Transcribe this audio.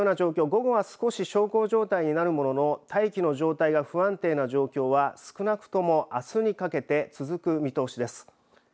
午後は少し小康状態になるものの大気の状態が不安定な状況は少なくともあすにかけて続く見通しです。